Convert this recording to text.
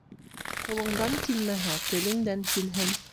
Ҡулыңдан килмәһә, телеңдән килһен.